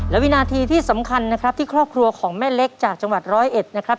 และวินาทีที่สำคัญนะครับที่ครอบครัวของแม่เล็กจากจังหวัดร้อยเอ็ดนะครับ